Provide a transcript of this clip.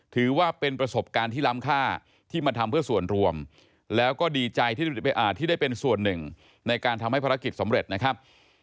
ถือว่าเป็นประสบการณ์ที่ล้ำค่าที่มาทำเพื่อส่วนรวมแล้วก็ดีใจที่ได้เป็นส่วนหนึ่งในการทำให้ภารกิจสำเร็จนะครับ